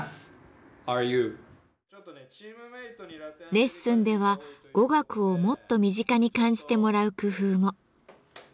レッスンでは語学をもっと身近に感じてもらう工夫も。